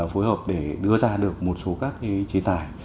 phối hợp để đưa ra được một số các chế tài